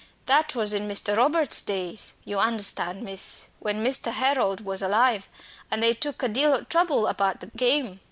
That was in Mr. Robert's days, you understand, miss when Master Harold was alive; and they took a deal o' trouble about the game.